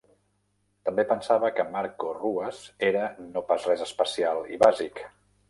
També pensava que Marco Ruas era "no pas res especial" i "bàsic".